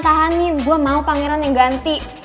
tahanin gue mau pangeran yang ganti